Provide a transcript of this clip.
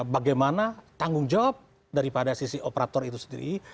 bagaimana tanggung jawab daripada sisi operator itu sendiri